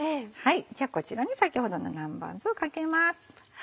じゃあこちらに先ほどの南蛮酢をかけます。